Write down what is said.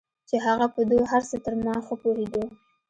چې هغه په دو هرڅه تر ما ښه پوهېدو.